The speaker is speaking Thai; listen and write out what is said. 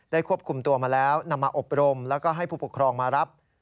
ควบคุมตัวมาแล้วนำมาอบรมแล้วก็ให้ผู้ปกครองมารับ